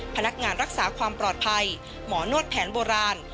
พนักงานรักษาความปลอดภัยหมอนวดแผนโบราณ